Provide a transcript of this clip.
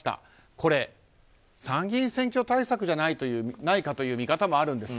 これ参議院選挙対策じゃないかという味方もあるんですよ。